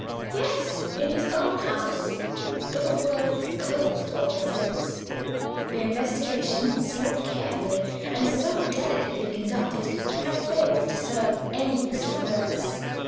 "Yes in his own house." Those words closed Alban's lips. The investigation so carefully and so delicately conducted had failed to serve any useful purpose.